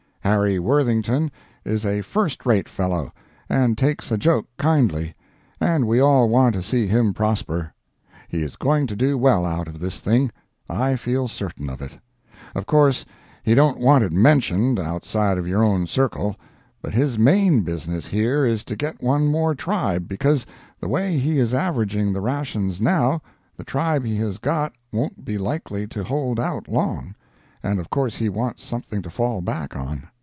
Harry Worthington is a first rate fellow, and takes a joke kindly, and we all want to see him prosper. He is going to do well out of this thing. I feel certain of it. Of course he don't want it mentioned, outside of your own circle, but his main business here is to get one more tribe, because, the way he is averaging the rations now, the tribe he has got won't be likely to hold out long, and of course he wants something to fall back on.